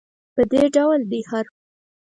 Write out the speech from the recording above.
په دې ډول دی هر.